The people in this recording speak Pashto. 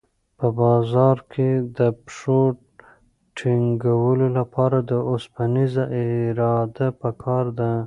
په بازار کې د پښو ټینګولو لپاره اوسپنیزه اراده پکار ده.